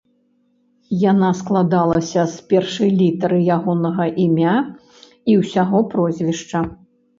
Яна складалася з першай літары ягонага імя і ўсяго прозвішча.